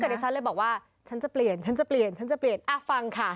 ผู้กัดิชันเลยบอกว่าฉันจะเปลี่ยนอ่ะฟังค่ะ